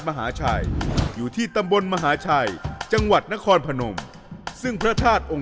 มีหลวงปู่องค์หนึ่งชื่อหลวงปู่คัมษ์พันม์โคศปัญโย